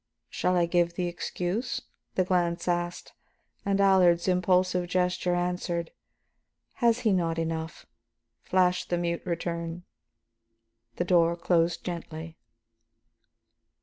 "Shall I give the excuse?" the glance asked. And Allard's impulsive gesture answered. "Has he not enough?" flashed the mute return. The door closed gently.